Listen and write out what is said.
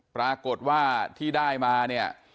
ปรากฏว่าที่ได้มาเนี่ย